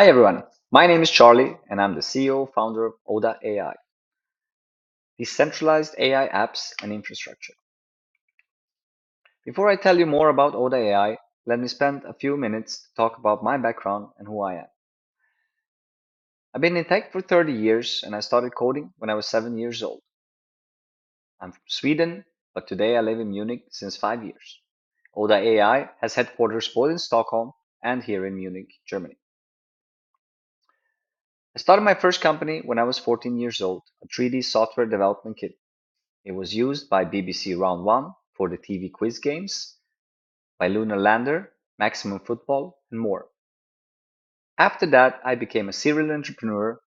Hi, everyone. My name is Charlie, and I'm the CEO and founder of OODA AI, decentralized AI apps and infrastructure. Before I tell you more about OODA AI, let me spend a few minutes to talk about my background and who I am. I've been in tech for 30 years, and I started coding when I was seven years old. I'm from Sweden, but today I live in Munich since five years. OODA AI has headquarters both in Stockholm and here in Munich, Germany. I started my first company when I was 14 years old, a 3D software development kit. It was used by BBC Round One for the TV quiz games, by Lunar Lander, Maximum Football, and more. After that, I became a serial entrepreneur,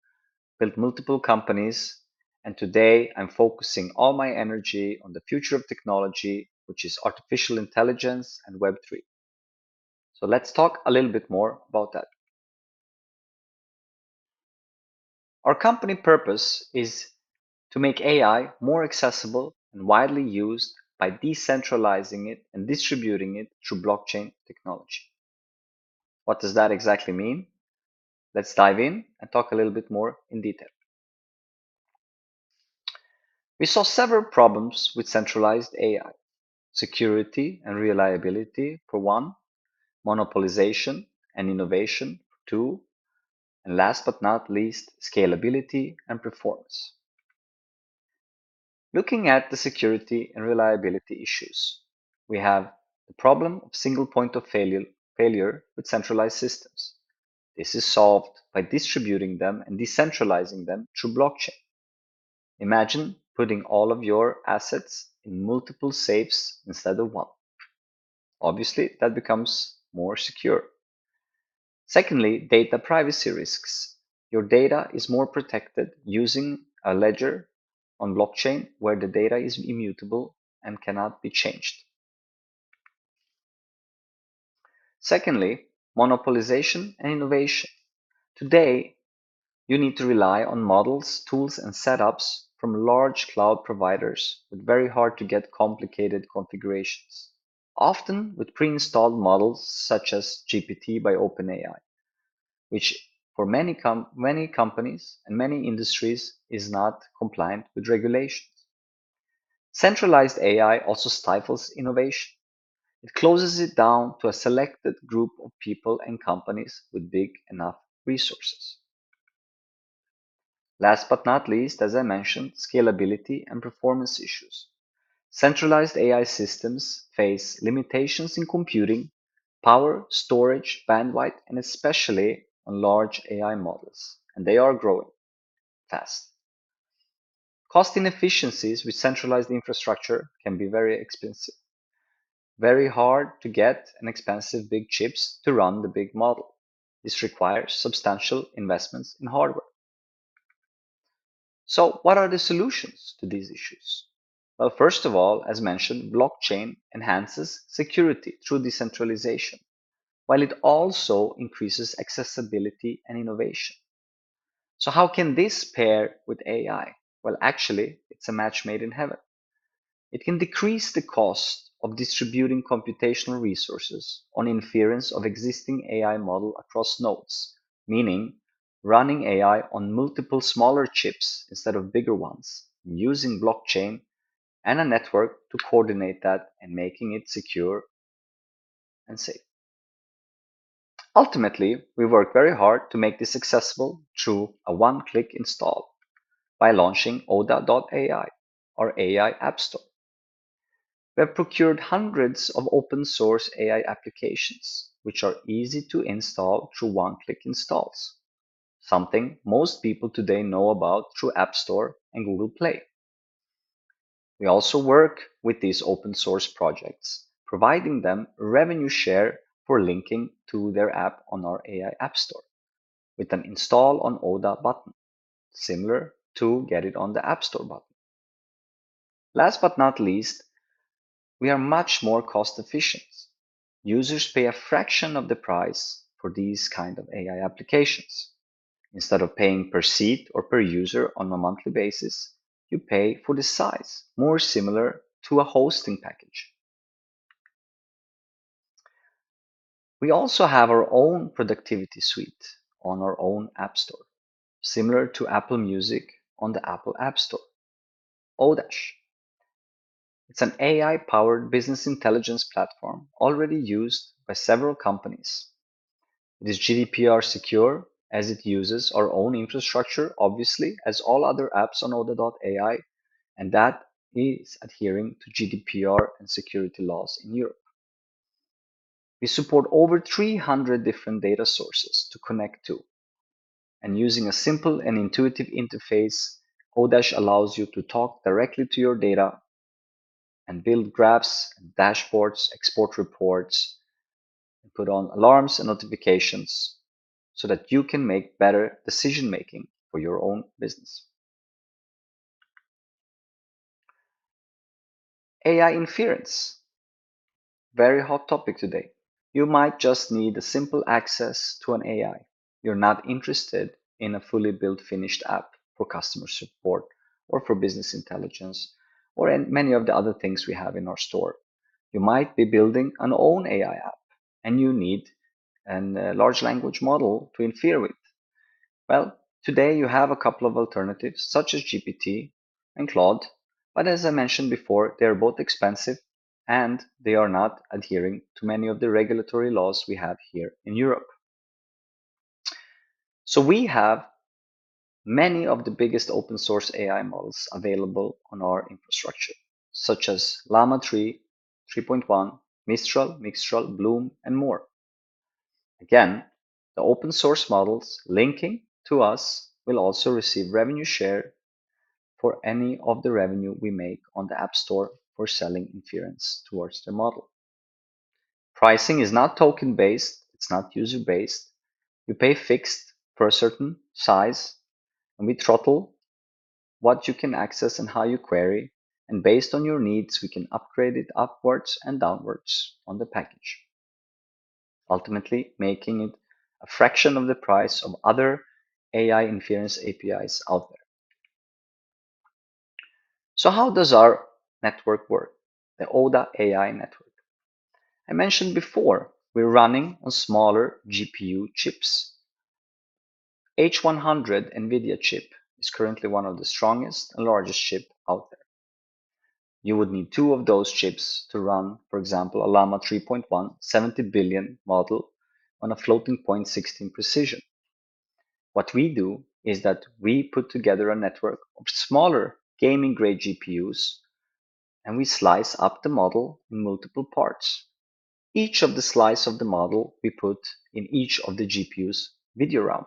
built multiple companies, and today I'm focusing all my energy on the future of technology, which is artificial intelligence and Web3. So let's talk a little bit more about that. Our company purpose is to make AI more accessible and widely used by decentralizing it and distributing it through blockchain technology. What does that exactly mean? Let's dive in and talk a little bit more in detail. We saw several problems with centralized AI: security and reliability, for one, monopolization and innovation, two, and last but not least, scalability and performance. Looking at the security and reliability issues, we have the problem of single point of failure, failure with centralized systems. This is solved by distributing them and decentralizing them through blockchain. Imagine putting all of your assets in multiple safes instead of one. Obviously, that becomes more secure. Secondly, data privacy risks. Your data is more protected using a ledger on blockchain, where the data is immutable and cannot be changed. Secondly, monopolization and innovation. Today, you need to rely on models, tools, and setups from large cloud providers with very hard-to-get complicated configurations, often with pre-installed models such as GPT by OpenAI, which for many companies and many industries, is not compliant with regulations. Centralized AI also stifles innovation. It closes it down to a selected group of people and companies with big enough resources. Last but not least, as I mentioned, scalability and performance issues. Centralized AI systems face limitations in computing, power, storage, bandwidth, and especially on large AI models, and they are growing fast. Cost inefficiencies with centralized infrastructure can be very expensive. Very hard to get and expensive big chips to run the big model. This requires substantial investments in hardware. So what are the solutions to these issues? Well, first of all, as mentioned, blockchain enhances security through decentralization, while it also increases accessibility and innovation. So how can this pair with AI? Well, actually, it's a match made in heaven. It can decrease the cost of distributing computational resources on inference of existing AI model across nodes, meaning running AI on multiple smaller chips instead of bigger ones, and using blockchain and a network to coordinate that and making it secure and safe. Ultimately, we work very hard to make this accessible through a one-click install by launching OODA.ai, our AI app store. We have procured hundreds of open source AI applications, which are easy to install through one-click installs, something most people today know about through App Store and Google Play. We also work with these open source projects, providing them revenue share for linking to their app on our AI app store with an Install on OODA button, similar to Get It on the App Store button. Last but not least, we are much more cost efficient. Users pay a fraction of the price for these kind of AI applications. Instead of paying per seat or per user on a monthly basis, you pay for the size, more similar to a hosting package. We also have our own productivity suite on our own app store, similar to Apple Music on the Apple App Store, ODASH. It's an AI-powered business intelligence platform already used by several companies. It is GDPR secure, as it uses our own infrastructure, obviously, as all other apps on OODA.ai, and that is adhering to GDPR and security laws in Europe. We support over 300 different data sources to connect to, and using a simple and intuitive interface, ODASH allows you to talk directly to your data and build graphs and dashboards, export reports, and put on alarms and notifications so that you can make better decision-making for your own business. AI inference, very hot topic today. You might just need a simple access to an AI. You're not interested in a fully built, finished app for customer support or for business intelligence, or any, many of the other things we have in our store. You might be building your own AI app, and you need a large language model to infer with. Today you have a couple of alternatives, such as GPT and Claude, but as I mentioned before, they are both expensive, and they are not adhering to many of the regulatory laws we have here in Europe. We have many of the biggest open source AI models available on our infrastructure, such as Llama 3, 3.1, Mistral, Mixtral, BLOOM, and more. Again, the open source models linking to us will also receive revenue share for any of the revenue we make on the App Store for selling inference towards their model. Pricing is not token-based. It's not user-based. You pay fixed for a certain size, and we throttle what you can access and how you query, and based on your needs, we can upgrade it upwards and downwards on the package, ultimately making it a fraction of the price of other AI inference APIs out there. So how does our network work, the OODA AI network? I mentioned before, we're running on smaller GPU chips. NVIDIA H100 chip is currently one of the strongest and largest chip out there. You would need two of those chips to run, for example, a Llama 3.1 70 billion model on a floating-point 16 precision. What we do is that we put together a network of smaller gaming-grade GPUs, and we slice up the model in multiple parts. Each of the slice of the model we put in each of the GPU's video RAM.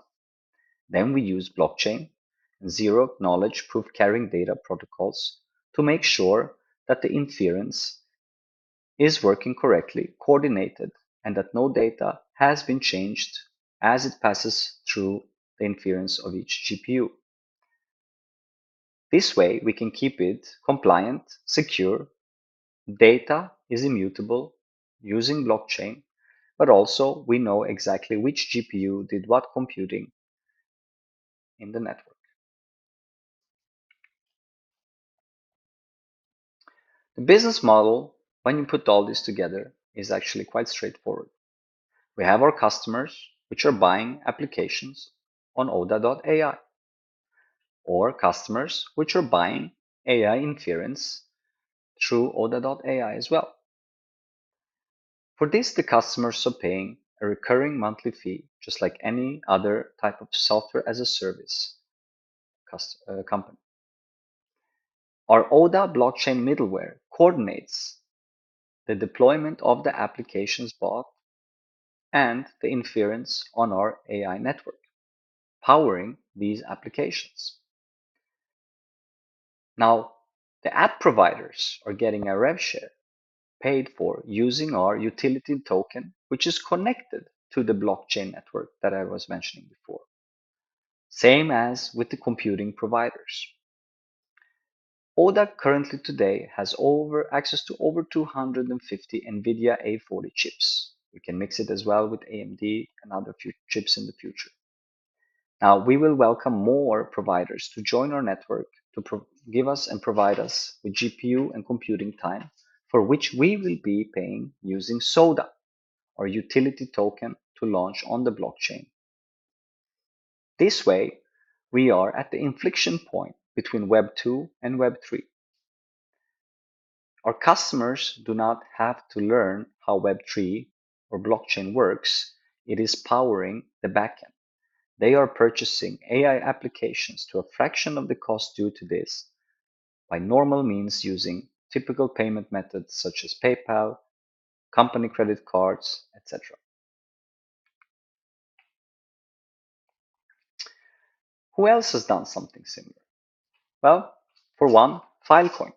Then we use blockchain and zero-knowledge proof carrying data protocols to make sure that the inference is working correctly, coordinated, and that no data has been changed as it passes through the inference of each GPU. This way, we can keep it compliant, secure. Data is immutable using blockchain, but also we know exactly which GPU did what computing in the network. The business model, when you put all this together, is actually quite straightforward. We have our customers, which are buying applications on OODA.ai, or customers which are buying AI inference through OODA.ai as well. For this, the customers are paying a recurring monthly fee, just like any other type of software as a service company. Our OODA blockchain middleware coordinates the deployment of the applications bought and the inference on our AI network, powering these applications. Now, the app providers are getting a rev share paid for using our utility token, which is connected to the blockchain network that I was mentioning before. Same as with the computing providers. OODA currently today has access to over 250 NVIDIA A40 chips. We can mix it as well with AMD and other future chips in the future. Now, we will welcome more providers to join our network to provide us with GPU and computing time, for which we will be paying using SOODA, our utility token to launch on the blockchain. This way, we are at the inflection point between Web2 and Web3. Our customers do not have to learn how Web3 or blockchain works. It is powering the backend. They are purchasing AI applications to a fraction of the cost due to this, by normal means, using typical payment methods such as PayPal, company credit cards, et cetera. Who else has done something similar? Well, for one, Filecoin.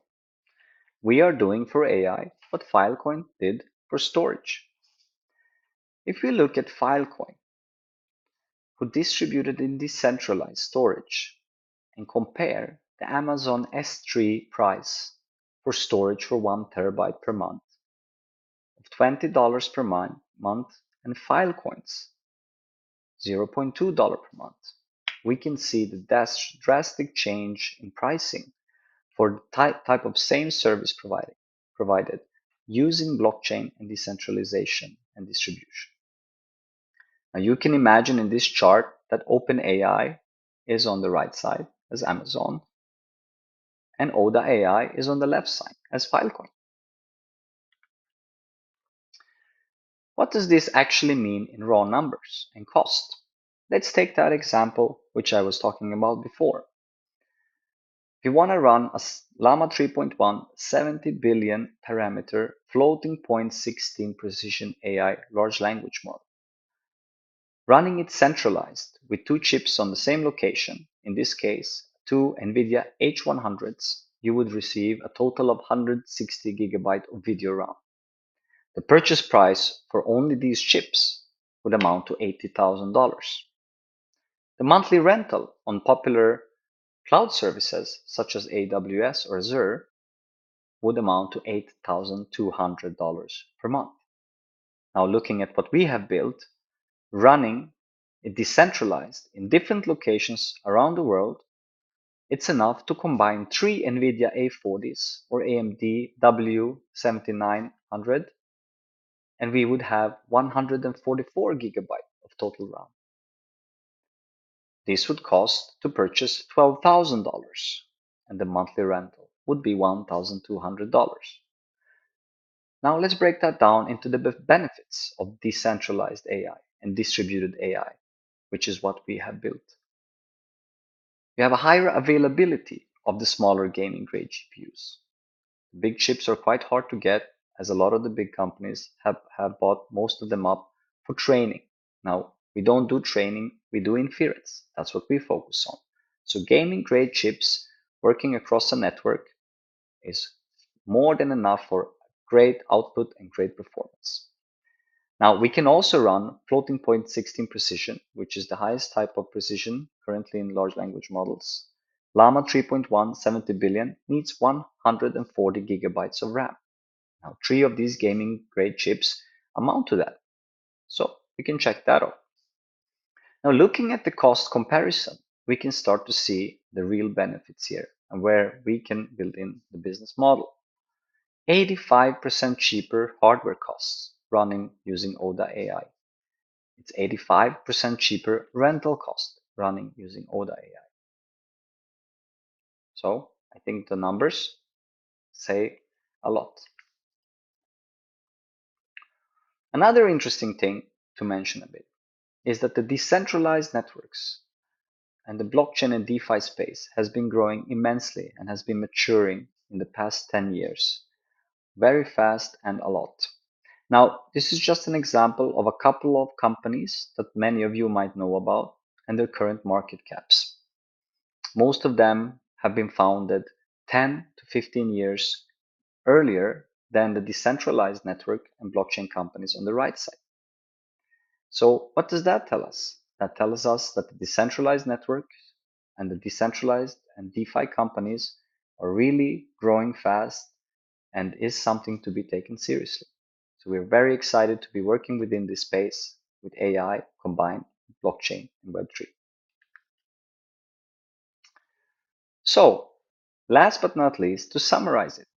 We are doing for AI what Filecoin did for storage. If we look at Filecoin, who distributed in decentralized storage, and compare the Amazon S3 price for storage for 1 TB per month of $20 per month, and Filecoin's $0.2 per month, we can see the drastic change in pricing for the type of same service providing, provided using blockchain and decentralization and distribution. Now, you can imagine in this chart that OpenAI is on the right side as Amazon, and OODA AI is on the left side as Filecoin. What does this actually mean in raw numbers and cost? Let's take that example which I was talking about before. If you wanna run a Llama 3.1 70 billion parameter floating point 16 precision AI large language model, running it centralized with two chips on the same location, in this case, two NVIDIA H100s, you would receive a total of 160 GB of video RAM. The purchase price for only these chips would amount to $80,000. The monthly rental on popular cloud services, such as AWS or Azure, would amount to $8,200 per month. Now looking at what we have built, running it decentralized in different locations around the world, it's enough to combine three NVIDIA A40s or AMD W7900, and we would have 144 GB of total RAM. This would cost to purchase $12,000, and the monthly rental would be $1,200. Now, let's break that down into the benefits of decentralized AI and distributed AI, which is what we have built. We have a higher availability of the smaller gaming-grade GPUs. Big chips are quite hard to get, as a lot of the big companies have bought most of them up for training. Now, we don't do training, we do inference. That's what we focus on. So gaming-grade chips working across a network is more than enough for great output and great performance. Now, we can also run floating point 16 precision, which is the highest type of precision currently in large language models. Llama 3.1 70 billion needs 140 GB of RAM. Now, three of these gaming-grade chips amount to that, so we can check that off. Now, looking at the cost comparison, we can start to see the real benefits here and where we can build in the business model. 85% cheaper hardware costs running using OODA AI. It's 85% cheaper rental cost running using OODA AI. So I think the numbers say a lot. Another interesting thing to mention a bit is that the decentralized networks and the blockchain and DeFi space has been growing immensely and has been maturing in the past 10 years, very fast and a lot. Now, this is just an example of a couple of companies that many of you might know about and their current market caps. Most of them have been founded 10-15 years earlier than the decentralized network and blockchain companies on the right side. So what does that tell us? That tells us that the decentralized network and the decentralized and DeFi companies are really growing fast and is something to be taken seriously, so we're very excited to be working within this space with AI combined with blockchain and Web3, so last but not least, to summarize it,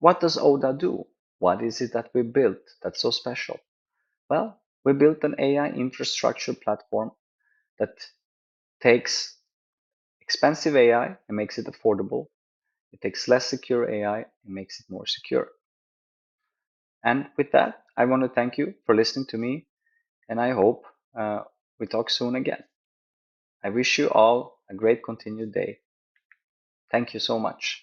what does OODA do? What is it that we built that's so special? Well, we built an AI infrastructure platform that takes expensive AI and makes it affordable. It takes less secure AI and makes it more secure. And with that, I want to thank you for listening to me, and I hope, we talk soon again. I wish you all a great continued day. Thank you so much.